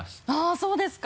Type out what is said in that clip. そうですか？